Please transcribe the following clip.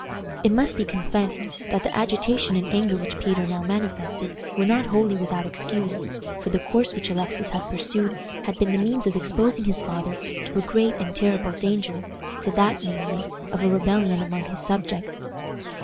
It must be confessed that the agitation and anger which Peter now manifested were not wholly without excuse, for the course which Alexis had pursued had been the means of exposing his father to a great and terrible danger to that, namely, of a rebellion among his subjects.